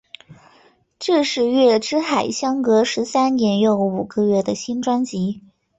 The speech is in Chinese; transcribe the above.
这是月之海相隔十三年又五个月的新专辑。